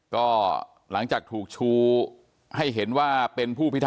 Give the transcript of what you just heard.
ก็หลังจากถูกชูให้เห็นว่าเป็นผู้ชอยใดกันครับ